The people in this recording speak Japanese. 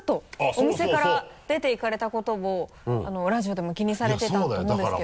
お店から出て行かれたことをラジオでも気にされてたと思うんですけど。